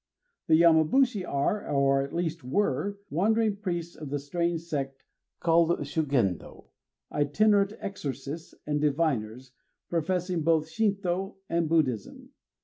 The Yamabushi are, or at least were, wandering priests of the strange sect called Shugendo, itinerant exorcists and diviners, professing both Shinto and Buddhism.